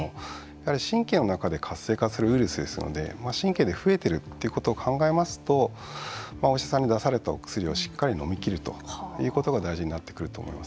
やはり神経の中で活性化するウイルスですので神経で増えているということを考えますとお医者さんの出されたお薬をしっかり飲みきるということが大事になってくると思います。